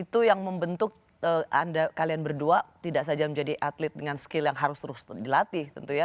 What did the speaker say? itu yang membentuk anda kalian berdua tidak saja menjadi atlet dengan skill yang harus terus dilatih tentu ya